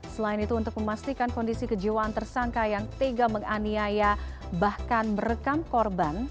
selain itu untuk memastikan kondisi kejiwaan tersangka yang tega menganiaya bahkan merekam korban